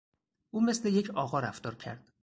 او مثل یک آقا رفتار کرد.